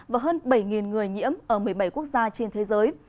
và hơn bảy người nhiễm ở một mươi bảy quốc gia trên thế giới